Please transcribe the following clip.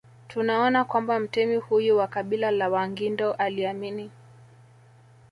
Tunaona kwamba mtemi huyu wa kabila la Wangindo aliamini